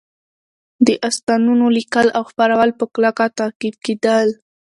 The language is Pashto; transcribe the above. د داستانونو لیکل او خپرول په کلکه تعقیب کېدل